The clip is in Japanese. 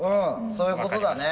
そういうことだね。